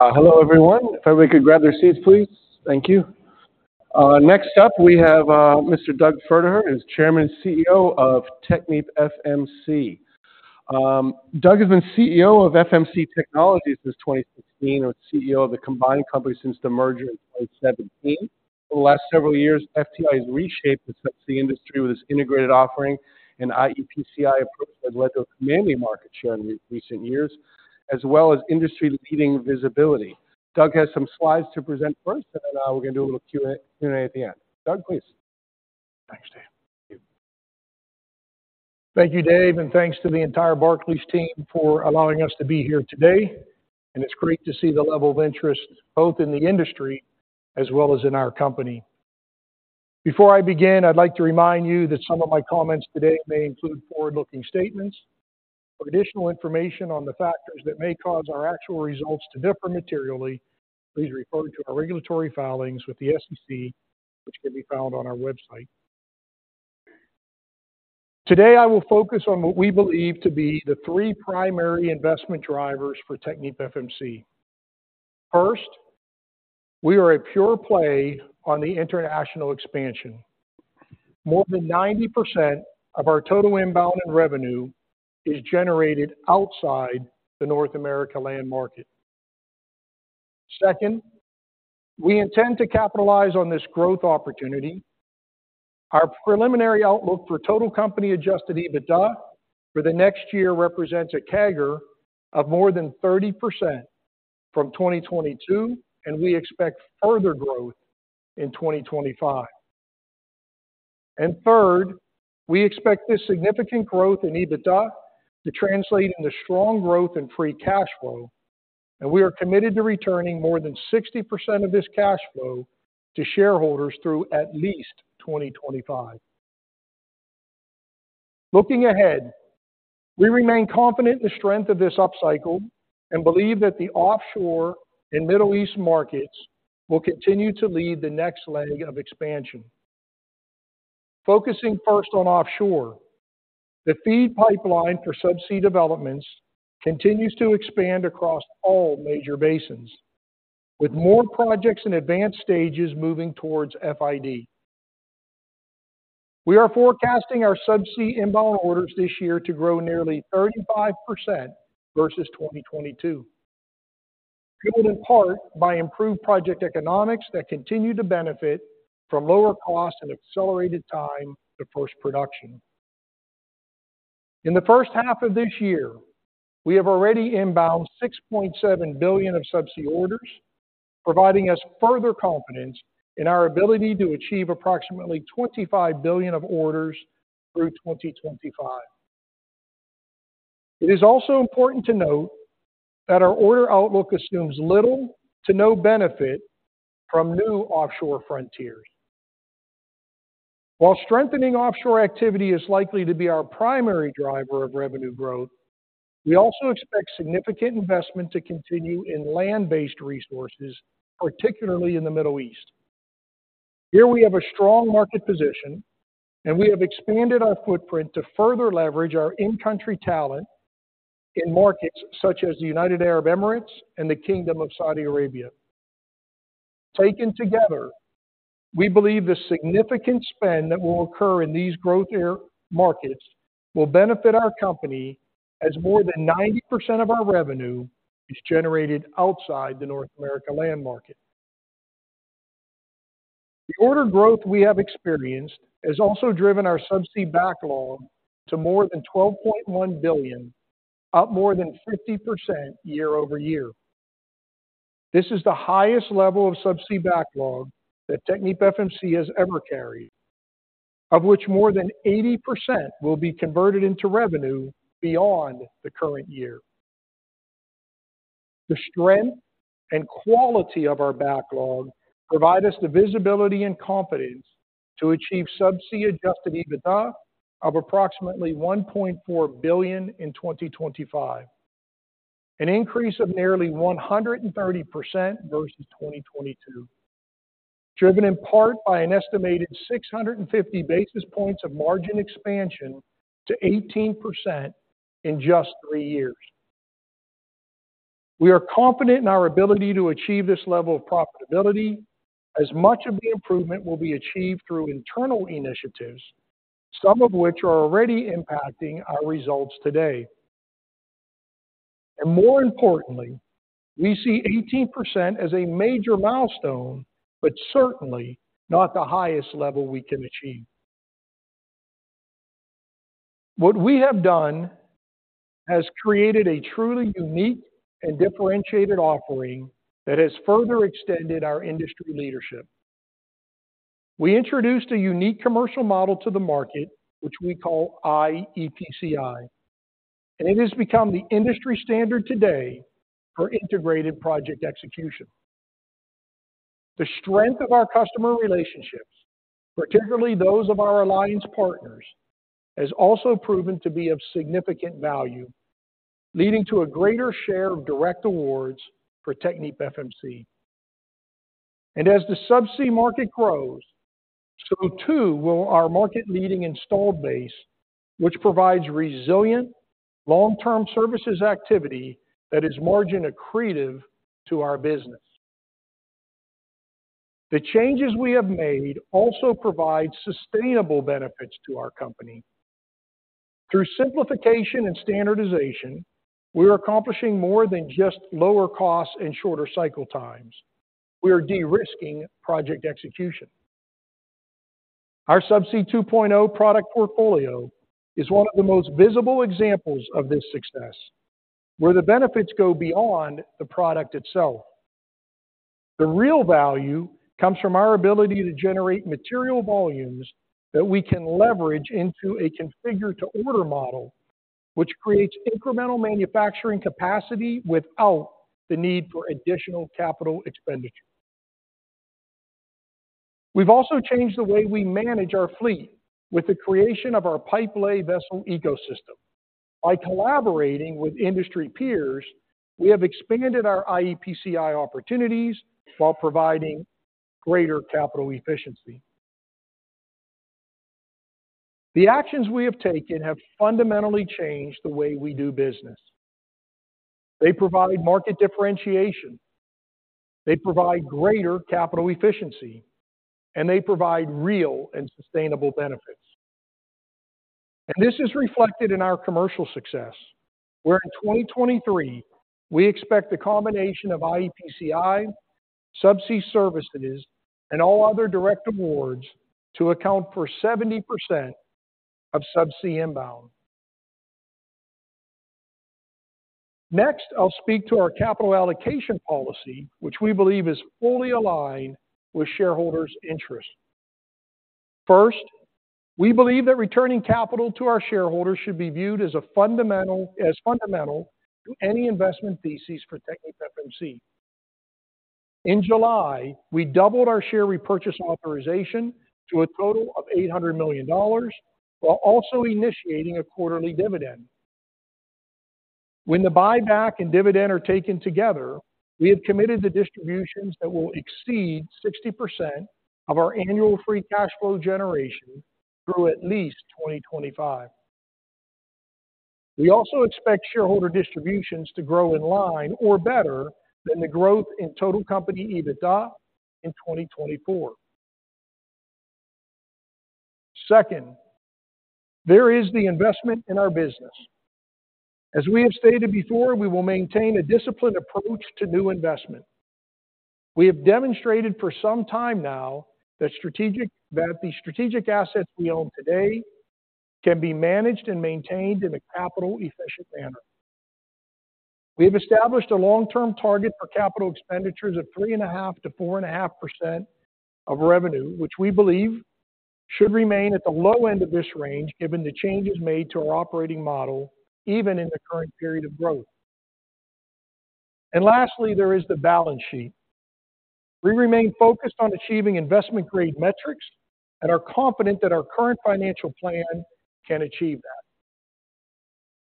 Hello, everyone. If everybody could grab their seats, please. Thank you. Next up, we have Mr. Doug Pferdehirt, is Chairman and CEO of TechnipFMC. Doug has been CEO of FMC Technologies since 2016, and CEO of the combined company since the merger in 2017. For the last several years, TechnipFMC has reshaped the subsea industry with its integrated offering and iEPCI approach that led to commanding market share in recent years, as well as industry-leading visibility. Doug has some slides to present first, and then, we're going to do a little Q&A at the end. Doug, please. Thanks, Dave. Thank you, Dave, and thanks to the entire Barclays team for allowing us to be here today, and it's great to see the level of interest both in the industry as well as in our company. Before I begin, I'd like to remind you that some of my comments today may include forward-looking statements. For additional information on the factors that may cause our actual results to differ materially, please refer to our regulatory filings with the SEC, which can be found on our website. Today, I will focus on what we believe to be the three primary investment drivers for TechnipFMC. First, we are a pure play on the international expansion. More than 90% of our total inbound and revenue is generated outside the North America land market. Second, we intend to capitalize on this growth opportunity. Our preliminary outlook for total company Adjusted EBITDA for the next year represents a CAGR of more than 30% from 2022, and we expect further growth in 2025. And third, we expect this significant growth in EBITDA to translate into strong growth in free cash flow, and we are committed to returning more than 60% of this cash flow to shareholders through at least 2025. Looking ahead, we remain confident in the strength of this upcycle and believe that the offshore and Middle East markets will continue to lead the next leg of expansion. Focusing first on offshore, the FEED pipeline for subsea developments continues to expand across all major basins, with more projects in advanced stages moving towards FID. We are forecasting our subsea inbound orders this year to grow nearly 35% versus 2022, driven in part by improved project economics that continue to benefit from lower cost and accelerated time to first production. In the first half of this year, we have already inbound $6.7 billion of subsea orders, providing us further confidence in our ability to achieve approximately $25 billion of orders through 2025. It is also important to note that our order outlook assumes little to no benefit from new offshore frontiers. While strengthening offshore activity is likely to be our primary driver of revenue growth, we also expect significant investment to continue in land-based resources, particularly in the Middle East. Here we have a strong market position, and we have expanded our footprint to further leverage our in-country talent in markets such as the United Arab Emirates and the Kingdom of Saudi Arabia. Taken together, we believe the significant spend that will occur in these growth area markets will benefit our company, as more than 90% of our revenue is generated outside the North America land market. The order growth we have experienced has also driven our subsea backlog to more than $12.1 billion, up more than 50% year-over-year. This is the highest level of subsea backlog that TechnipFMC has ever carried, of which more than 80% will be converted into revenue beyond the current year. The strength and quality of our backlog provide us the visibility and confidence to achieve subsea Adjusted EBITDA of approximately $1.4 billion in 2025, an increase of nearly 130% versus 2022, driven in part by an estimated 650 basis points of margin expansion to 18% in just three years. We are confident in our ability to achieve this level of profitability, as much of the improvement will be achieved through internal initiatives, some of which are already impacting our results today. And more importantly, we see 18% as a major milestone, but certainly not the highest level we can achieve. What we have done has created a truly unique and differentiated offering that has further extended our industry leadership. We introduced a unique commercial model to the market, which we call iEPCI, and it has become the industry standard today for integrated project execution. The strength of our customer relationships, particularly those of our alliance partners, has also proven to be of significant value, leading to a greater share of direct awards for TechnipFMC. As the subsea market grows, so too will our market-leading installed base, which provides resilient long-term services activity that is margin accretive to our business. The changes we have made also provide sustainable benefits to our company. Through simplification and standardization, we are accomplishing more than just lower costs and shorter cycle times. We are de-risking project execution. Our Subsea 2.0 product portfolio is one of the most visible examples of this success, where the benefits go beyond the product itself. The real value comes from our ability to generate material volumes that we can leverage into a Configure-to-Order model, which creates incremental manufacturing capacity without the need for additional capital expenditure. We've also changed the way we manage our fleet with the creation of our pipe-lay vessel ecosystem. By collaborating with industry peers, we have expanded our iEPCI opportunities while providing greater capital efficiency. The actions we have taken have fundamentally changed the way we do business. They provide market differentiation, they provide greater capital efficiency, and they provide real and sustainable benefits. And this is reflected in our commercial success, where in 2023, we expect the combination of iEPCI, subsea services, and all other direct awards to account for 70% of subsea inbound. Next, I'll speak to our capital allocation policy, which we believe is fully aligned with shareholders' interests. First, we believe that returning capital to our shareholders should be viewed as fundamental to any investment thesis for TechnipFMC. In July, we doubled our share repurchase authorization to a total of $800 million, while also initiating a quarterly dividend. When the buyback and dividend are taken together, we have committed to distributions that will exceed 60% of our annual free cash flow generation through at least 2025. We also expect shareholder distributions to grow in line or better than the growth in total company EBITDA in 2024. Second, there is the investment in our business. As we have stated before, we will maintain a disciplined approach to new investment. We have demonstrated for some time now that the strategic assets we own today can be managed and maintained in a capital-efficient manner. We have established a long-term target for capital expenditures of 3.5%-4.5% of revenue, which we believe should remain at the low end of this range, given the changes made to our operating model, even in the current period of growth. Lastly, there is the balance sheet. We remain focused on achievinginvestment-grade metrics and are confident that our current financial plan can achieve that.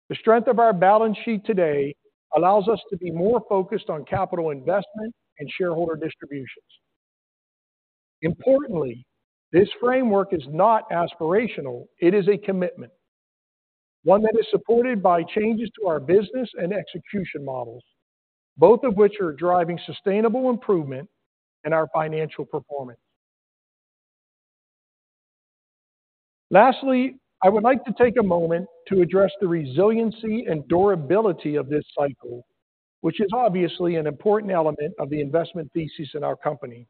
The strength of our balance sheet today allows us to be more focused on capital investment and shareholder distributions. Importantly, this framework is not aspirational. It is a commitment, one that is supported by changes to our business and execution models, both of which are driving sustainable improvement in our financial performance. Lastly, I would like to take a moment to address the resiliency and durability of this cycle, which is obviously an important element of the investment thesis in our company.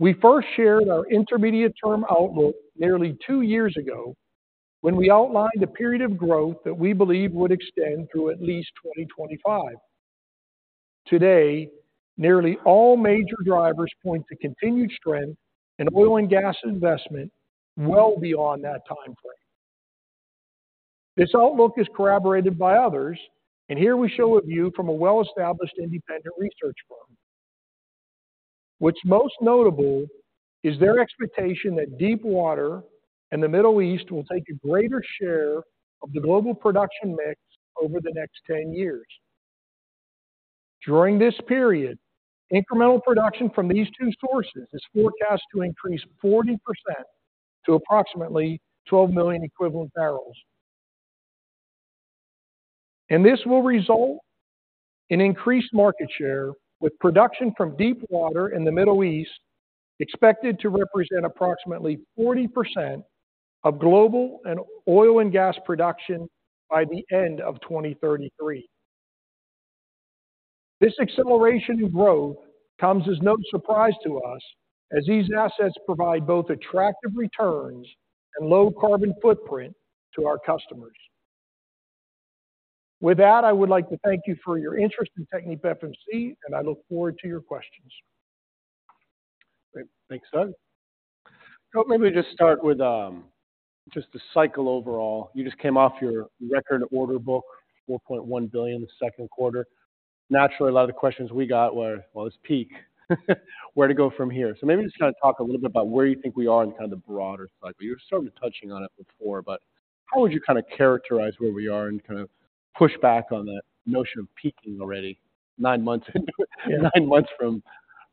We first shared our intermediate-term outlook nearly two years ago when we outlined a period of growth that we believe would extend through at least 2025. Today, nearly all major drivers point to continued strength in oil and gas investment well beyond that timeframe. This outlook is corroborated by others, and here we show a view from a well-established independent research firm. What's most notable is their expectation that deepwater and the Middle East will take a greater share of the global production mix over the next 10 years. During this period, incremental production from these two sources is forecast to increase 40% to approximately 12 million equivalent barrels. This will result in increased market share, with production from deepwater in the Middle East expected to represent approximately 40% of global and oil and gas production by the end of 2033. This acceleration in growth comes as no surprise to us, as these assets provide both attractive returns and low carbon footprint to our customers. With that, I would like to thank you for your interest in TechnipFMC, and I look forward to your questions. Great. Thanks, Doug. So let me just start with just the cycle overall. You just came off your record order book, $4.1 billion the second quarter. Naturally, a lot of the questions we got were: Well, it's peak, where to go from here? So maybe just kind of talk a little bit about where you think we are in kind of the broader cycle. You were sort of touching on it before, but. How would you kind of characterize where we are and kind of push back on that notion of peaking already nine months into it, nine months from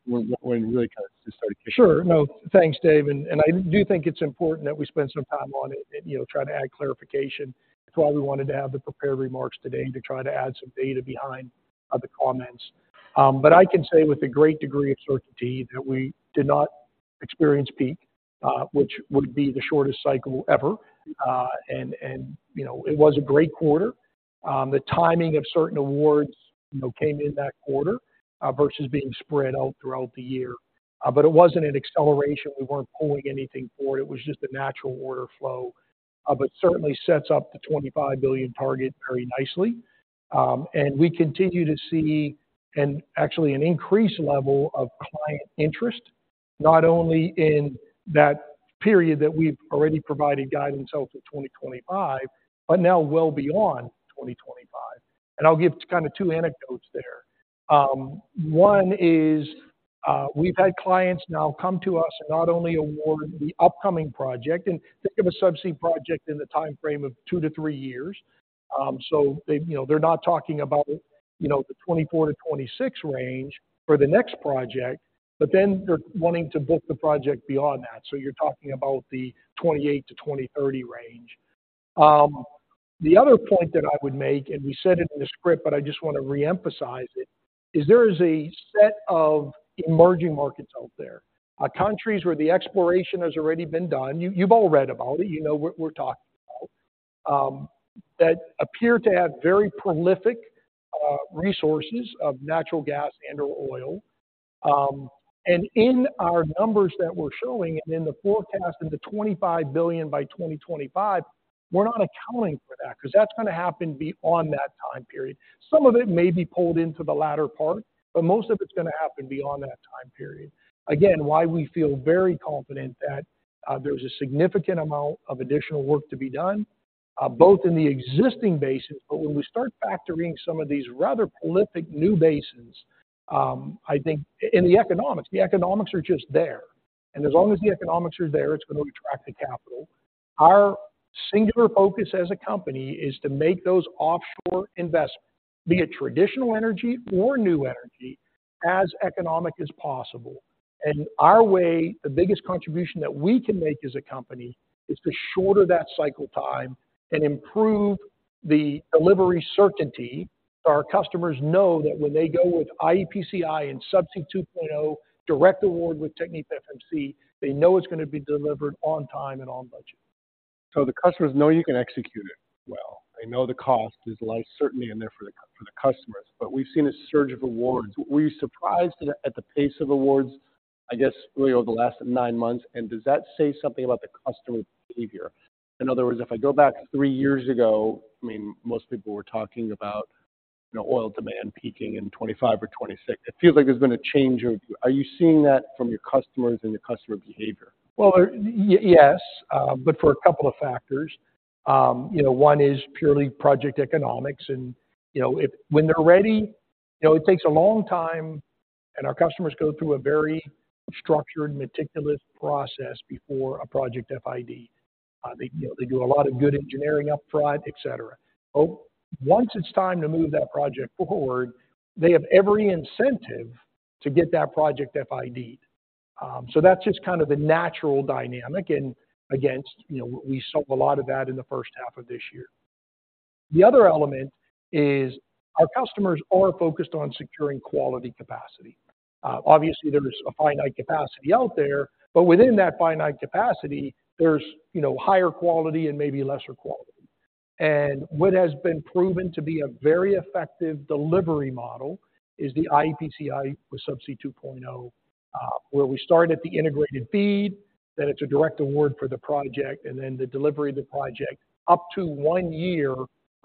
when, when we really kind of just started kicking? Sure. No, thanks, Dave. And I do think it's important that we spend some time on it and, you know, try to add clarification. That's why we wanted to have the prepared remarks today, to try to add some data behind the comments. But I can say with a great degree of certainty that we did not experience peak, which would be the shortest cycle ever. You know, it was a great quarter. The timing of certain awards, you know, came in that quarter versus being spread out throughout the year. But it wasn't an acceleration. We weren't pulling anything forward. It was just a natural order flow, but certainly sets up the $25 billion target very nicely. And we continue to see actually an increased level of client interest, not only in that period that we've already provided guidance out to 2025, but now well beyond 2025. And I'll give kind of two anecdotes there. One is, we've had clients now come to us and not only award the upcoming project, and think of a subsea project in the timeframe of two to three years. So they, you know, they're not talking about, you know, the 2024-2026 range for the next project, but then they're wanting to book the project beyond that. So you're talking about the 2028-2030 range. The other point that I would make, and we said it in the script, but I just want to reemphasize it, is there is a set of emerging markets out there. Countries where the exploration has already been done, you, you've all read about it, you know what we're talking about, that appear to have very prolific, resources of natural gas and/or oil. And in our numbers that we're showing and in the forecast, in the $25 billion by 2025, we're not accounting for that, because that's going to happen beyond that time period. Some of it may be pulled into the latter part, but most of it's going to happen beyond that time period. Again, why we feel very confident that, there's a significant amount of additional work to be done, both in the existing basins, but when we start factoring some of these rather prolific new basins, I think... And the economics, the economics are just there. And as long as the economics are there, it's going to attract the capital. Our singular focus as a company is to make those offshore investments, be it traditional energy or new energy, as economic as possible. And our way, the biggest contribution that we can make as a company, is to shorten that cycle time and improve the delivery certainty, so our customers know that when they go with iEPCI and Subsea 2.0, direct award with TechnipFMC, they know it's going to be delivered on time and on budget. So the customers know you can execute it well. They know the cost, there's a lot of certainty in there for the, for the customers, but we've seen a surge of awards. Were you surprised at, at the pace of awards, I guess, really over the last nine months? And does that say something about the customer behavior? In other words, if I go back three years ago, I mean, most people were talking about, you know, oil demand peaking in 2025 or 2026. It feels like there's been a change of view. Are you seeing that from your customers and the customer behavior? Well, yes, but for a couple of factors. You know, one is purely project economics, and, you know, when they're ready, you know, it takes a long time, and our customers go through a very structured, meticulous process before a project FID. They, you know, they do a lot of good engineering upfront, et cetera. But once it's time to move that project forward, they have every incentive to get that project FID. So that's just kind of the natural dynamic, and again, you know, we saw a lot of that in the first half of this year. The other element is our customers are focused on securing quality capacity. Obviously, there's a finite capacity out there, but within that finite capacity, there's, you know, higher quality and maybe lesser quality. What has been proven to be a very effective delivery model is the iEPCI with Subsea 2.0, where we start at the integrated FEED, then it's a direct award for the project, and then the delivery of the project up to one year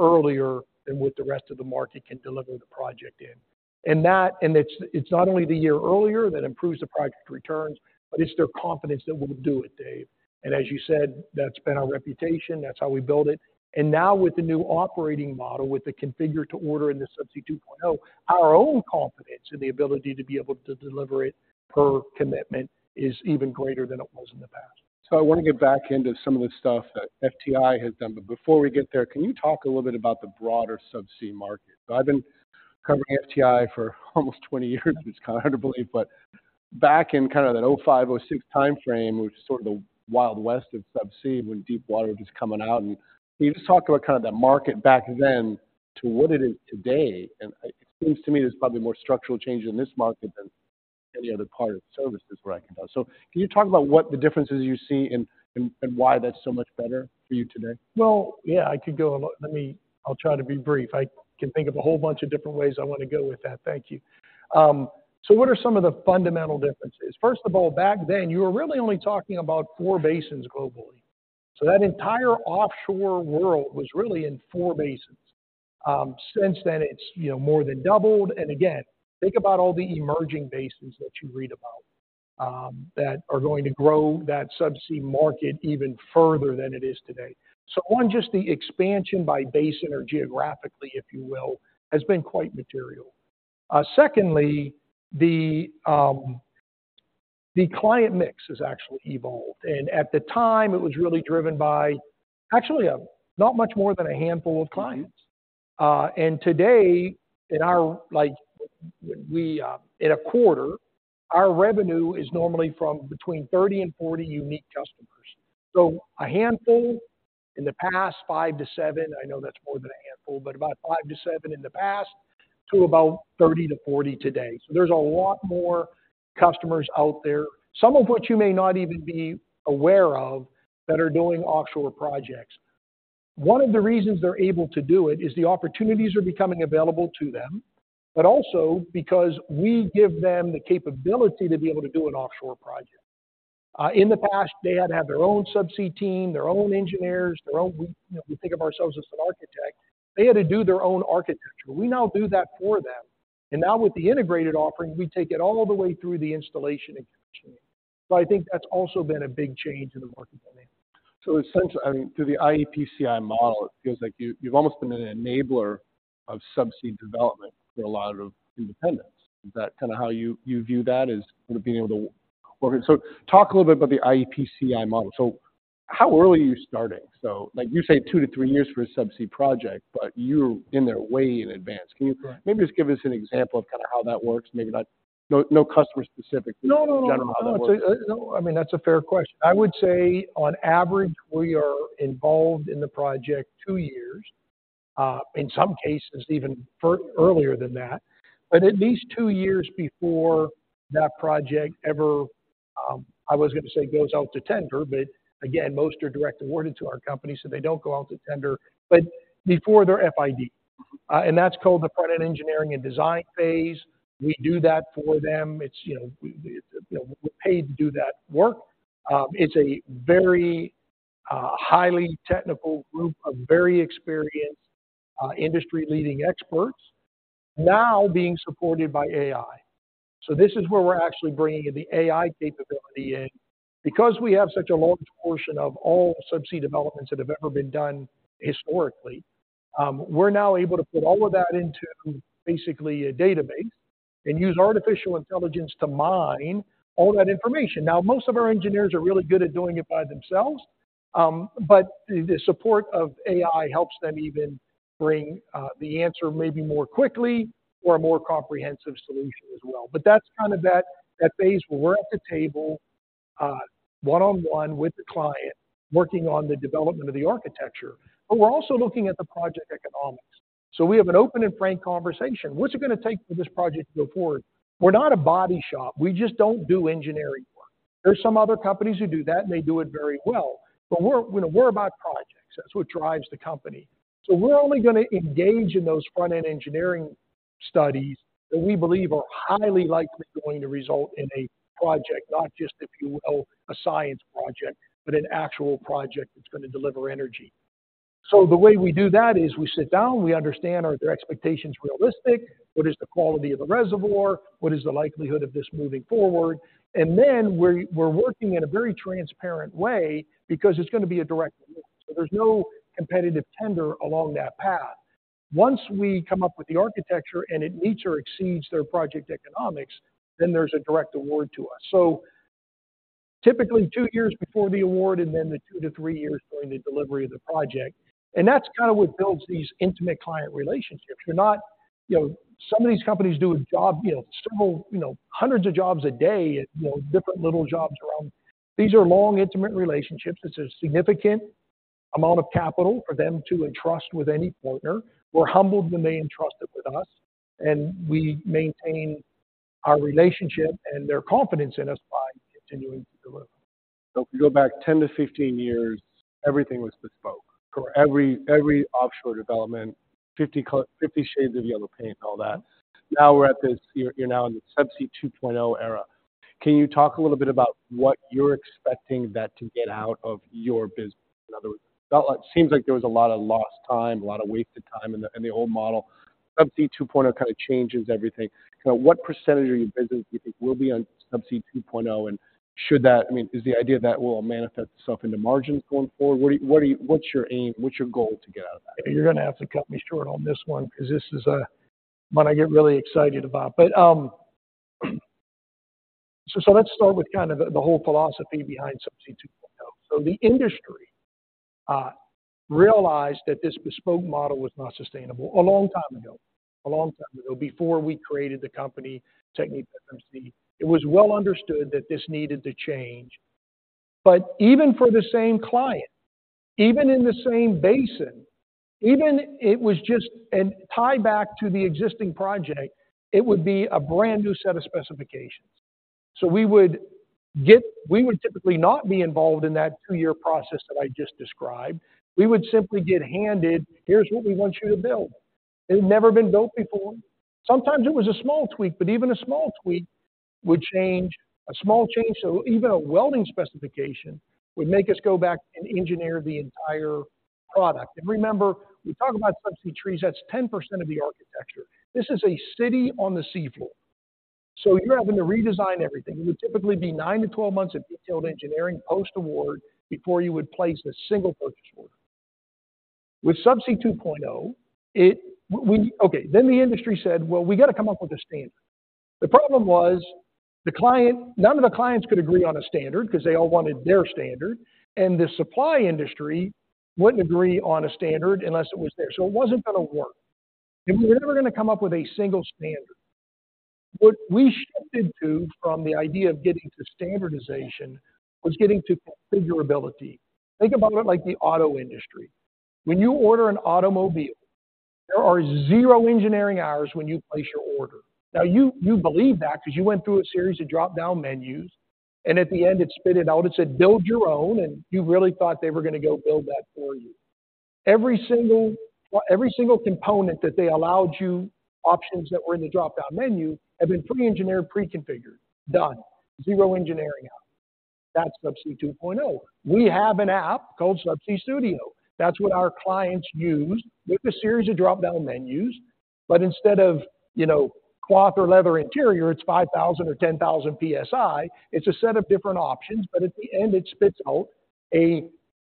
earlier than what the rest of the market can deliver the project in. And that and it's, it's not only the year earlier that improves the project returns, but it's their confidence that we'll do it, Dave. And as you said, that's been our reputation. That's how we built it. And now with the new operating model, with the configure-to-order and the Subsea 2.0, our own confidence in the ability to be able to deliver it per commitment is even greater than it was in the past. So I want to get back into some of the stuff that FMC has done, but before we get there, can you talk a little bit about the broader subsea market? I've been covering FMC for almost 20 years, it's hard to believe, but back in kind of that 2005, 2006 timeframe, which is sort of the Wild West of subsea, when Deepwater was just coming out and. Can you just talk about kind of that market back then to what it is today? It seems to me there's probably more structural change in this market than any other part of the services where I can tell. Can you talk about what the differences you see and why that's so much better for you today? Well, I'll try to be brief. I can think of a whole bunch of different ways I want to go with that. Thank you. So what are some of the fundamental differences? First of all, back then, you were really only talking about four basins globally. So that entire offshore world was really in four basins. Since then, it's, you know, more than doubled, and again, think about all the emerging basins that you read about, that are going to grow that subsea market even further than it is today. So on just the expansion by basin or geographically, if you will, has been quite material. Secondly, the... The client mix has actually evolved, and at the time, it was really driven by actually, not much more than a handful of clients. And today, in our, like, we, in a quarter, our revenue is normally from between 30 and 40 unique customers. So a handful in the past, five to seven, I know that's more than a handful, but about five to seven in the past, to about 30 to 40 today. So there's a lot more customers out there, some of which you may not even be aware of, that are doing offshore projects. One of the reasons they're able to do it is the opportunities are becoming available to them, but also because we give them the capability to be able to do an offshore project. In the past, they had to have their own subsea team, their own engineers, their own, we, you know, we think of ourselves as an architect. They had to do their own architecture. We now do that for them, and now with the integrated offering, we take it all the way through the installation and commissioning. So I think that's also been a big change in the market dynamic. So essentially, I mean, through the iEPCI model, it feels like you, you've almost been an enabler of subsea development for a lot of independents. Is that kind of how you, you view that, as kind of being able to... So talk a little bit about the iEPCI model. So how early are you starting? So like you say, two to three years for a subsea project, but you're in there way in advance. Correct. Can you maybe just give us an example of kind of how that works? Maybe not, no, no customer specifically. No, no, no. Just generally how it works. No, I mean, that's a fair question. I would say on average, we are involved in the project two years, in some cases even earlier than that. But at least two years before that project ever, I was going to say, goes out to tender, but again, most are direct awarded to our company, so they don't go out to tender, but before their FID. And that's called the front-end engineering and design phase. We do that for them. It's, you know, we, we, you know, we're paid to do that work. It's a very highly technical group of very experienced industry-leading experts, now being supported by AI. So this is where we're actually bringing in the AI capability in. Because we have such a large portion of all subsea developments that have ever been done historically, we're now able to put all of that into basically a database and use artificial intelligence to mine all that information. Now, most of our engineers are really good at doing it by themselves, but the support of AI helps them even bring the answer maybe more quickly or a more comprehensive solution as well. But that's kind of that phase where we're at the table one-on-one with the client, working on the development of the architecture, but we're also looking at the project economics. So we have an open and frank conversation. What's it going to take for this project to go forward? We're not a body shop. We just don't do engineering work. There's some other companies who do that, and they do it very well. But we're, you know, we're about projects. That's what drives the company. So we're only going to engage in those front-end engineering studies that we believe are highly likely going to result in a project, not just, if you will, a science project, but an actual project that's going to deliver energy. So the way we do that is we sit down, we understand, are there expectations realistic? What is the quality of the reservoir? What is the likelihood of this moving forward? And then we're working in a very transparent way because it's going to be a direct award. So there's no competitive tender along that path. Once we come up with the architecture and it meets or exceeds their project economics, then there's a direct award to us. So typically, two years before the award and then the two to three years during the delivery of the project. That's kind of what builds these intimate client relationships. We're not... You know, some of these companies do a job, you know, several, you know, hundreds of jobs a day, you know, different little jobs around. These are long, intimate relationships. This is a significant amount of capital for them to entrust with any partner. We're humbled that they entrust it with us, and we maintain our relationship and their confidence in us by continuing to deliver. If you go back 10-15 years, everything was bespoke. Correct. Every offshore development, 50 shades of yellow paint, and all that. Now we're at this, you're now in the Subsea 2.0 era. Can you talk a little bit about what you're expecting that to get out of your business? In other words, it seems like there was a lot of lost time, a lot of wasted time in the old model. Subsea 2.0 kind of changes everything. Kind of what percentage of your business do you think will be on Subsea 2.0, and should that... I mean, is the idea that will manifest itself into margins going forward? What do you, what's your aim? What's your goal to get out of that? You're going to have to cut me short on this one, because this is one I get really excited about. But let's start with kind of the whole philosophy behind Subsea 2.0. So the industry realized that this bespoke model was not sustainable a long time ago, a long time ago, before we created the company, TechnipFMC. It was well understood that this needed to change, but even for the same client, even in the same basin, even if it was just a tieback to the existing project, it would be a brand-new set of specifications. So we would typically not be involved in that two-year process that I just described. We would simply get handed, "Here's what we want you to build." It had never been built before. Sometimes it was a small tweak, but even a small tweak would change a small change. So even a welding specification would make us go back and engineer the entire product. And remember, we talk about subsea trees, that's 10% of the architecture. This is a city on the seafloor, so you're having to redesign everything. It would typically be nine to 12 months of detailed engineering, post-award, before you would place a single purchase order. With Subsea 2.0, then the industry said, "Well, we got to come up with a standard." The problem was, none of the clients could agree on a standard because they all wanted their standard, and the supply industry wouldn't agree on a standard unless it was there. So it wasn't going to work, and we were never going to come up with a single standard. What we shifted to from the idea of getting to standardization, was getting to configurability. Think about it like the auto industry. When you order an automobile, there are zero engineering hours when you place your order. Now, you, you believe that because you went through a series of drop-down menus, and at the end, it spit out, it said, "Build your own," and you really thought they were going to go build that for you. Every single, every single component that they allowed you, options that were in the drop-down menu, have been pre-engineered, pre-configured, done. Zero engineering hours. That's Subsea 2.0. We have an app called Subsea Studio. That's what our clients use with a series of drop-down menus, but instead of, you know, cloth or leather interior, it's 5,000 or 10,000 PSI. It's a set of different options, but at the end, it spits out a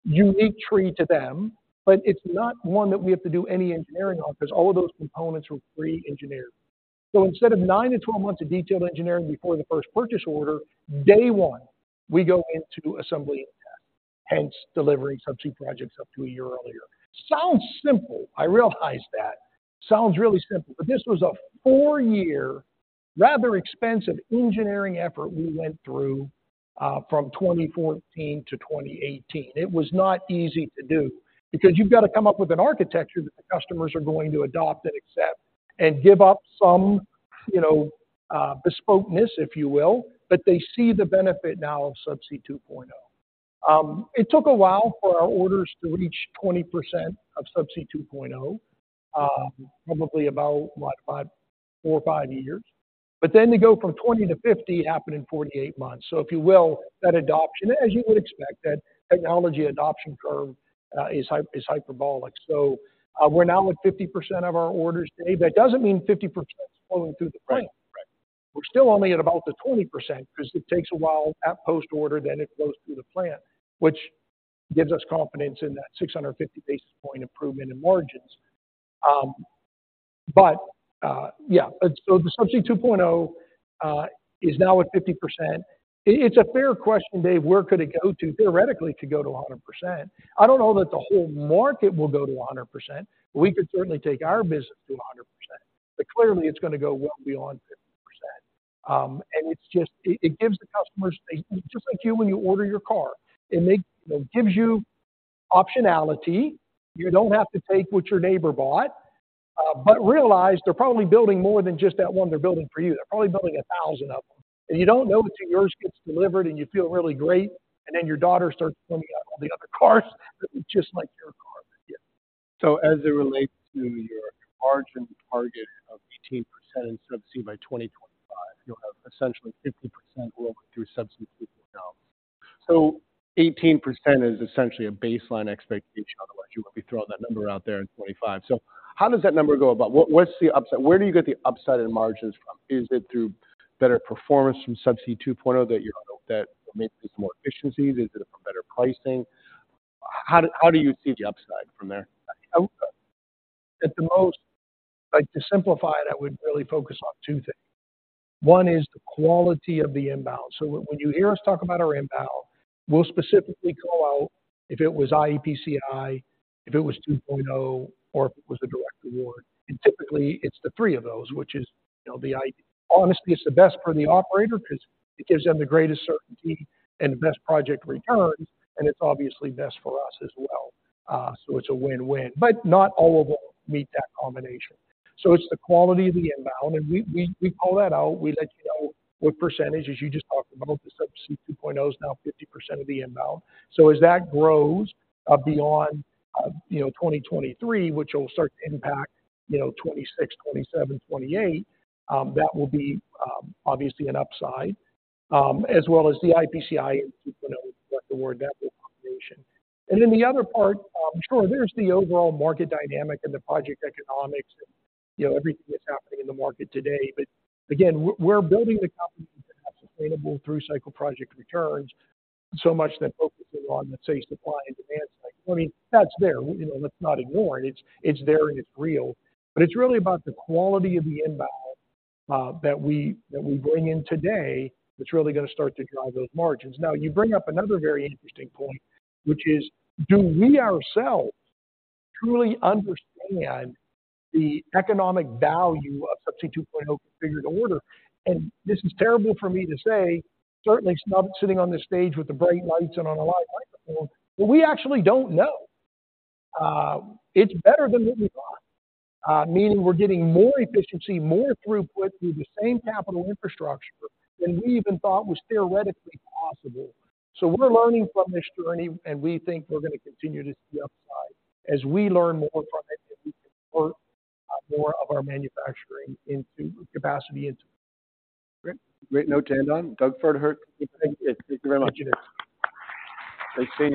unique tree to them, but it's not one that we have to do any engineering on, because all of those components were pre-engineered. So instead of nine to 12 months of detailed engineering before the first purchase order, day one, we go into assembly and test, hence delivering Subsea projects up to a year earlier. Sounds simple, I realize that. Sounds really simple, but this was a four-year, rather expensive engineering effort we went through from 2014 to 2018. It was not easy to do because you've got to come up with an architecture that the customers are going to adopt and accept and give up some, you know, bespokeness, if you will, but they see the benefit now of Subsea 2.0. It took a while for our orders to reach 20% of Subsea 2.0, probably about four or five years. But then to go from 20 to 50 happened in 48 months. So if you will, that adoption, as you would expect, that technology adoption curve is hyperbolic. So, we're now at 50% of our orders today. That doesn't mean 50% is flowing through the bank, right? We're still only at about the 20%, 'cause it takes a while at post order, then it goes through the plant, which gives us confidence in that 650 basis point improvement in margins. But, yeah, so the Subsea 2.0 is now at 50%. It's a fair question, Dave. Where could it go to? Theoretically, it could go to 100%. I don't know that the whole market will go to 100%, but we could certainly take our business to 100%. But clearly, it's going to go well beyond 50%. And it's just. It gives the customers, just like you, when you order your car, it gives you optionality. You don't have to take what your neighbor bought, but realize they're probably building more than just that one they're building for you. They're probably building 1,000 of them, and you don't know it till yours gets delivered, and you feel really great, and then your daughter starts pointing out all the other cars that look just like your car. Yeah. So as it relates to your margin target of 18% in Subsea by 2025, you'll have essentially 50% working through Subsea 2.0. So 18% is essentially a baseline expectation, otherwise, you wouldn't be throwing that number out there in 2025. So how does that number go about? What, what's the upside? Where do you get the upside in margins from? Is it through better performance from Subsea 2.0, that you're—that maybe there's more efficiencies? Is it from better pricing? How, how do you see the upside from there? At the most, like, to simplify it, I would really focus on two things. One is the quality of the inbound. So when you hear us talk about our inbound, we'll specifically call out if it was iEPCI, if it was 2.0, or if it was a direct award. And typically, it's the three of those, which is, you know, the iEPCI. Honestly, it's the best for the operator because it gives them the greatest certainty and the best project returns, and it's obviously best for us as well. So it's a win-win, but not all of them meet that combination. So it's the quality of the inbound, and we call that out. We let you know what percentage, as you just talked about, the Subsea 2.0 is now 50% of the inbound. So as that grows beyond, you know, 2023, which will start to impact, you know, 2026, 2027, 2028, that will be obviously an upside, as well as the iEPCI and 2.0, what the word, that whole combination. And then the other part, sure, there's the overall market dynamic and the project economics and, you know, everything that's happening in the market today. But again, we're, we're building the company to have sustainable through-cycle project returns, so much than focusing on, let's say, supply and demand cycle. I mean, that's there. You know, let's not ignore it. It's, it's there, and it's real, but it's really about the quality of the inbound, that we, that we bring in today, that's really going to start to drive those margins. Now, you bring up another very interesting point, which is: Do we ourselves truly understand the economic value of Subsea 2.0 Configure-to-Order? And this is terrible for me to say, certainly not sitting on this stage with the bright lights and on a live microphone, but we actually don't know. It's better than what we thought, meaning we're getting more efficiency, more throughput through the same capital infrastructure than we even thought was theoretically possible. So we're learning from this journey, and we think we're going to continue to see upside as we learn more from it, and we convert more of our manufacturing into capacity into- Great. Great note to end on. Doug Pferdehirt, thank you. Thank you very much. Thanks, Dave.